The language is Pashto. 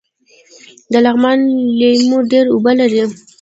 د لغمان لیمو ډیر اوبه لري